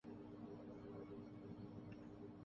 ریا چکربورتی کا سشانت سنگھ کے لیے منشیات خریدنے کا اعتراف